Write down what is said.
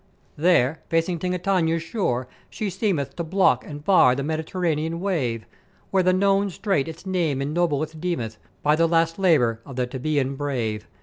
"There, facing Tingitania's shore, she seemeth to block and bar the Med'iterranean wave, where the known Strait its name ennobled deemeth by the last labour of the Theban Brave.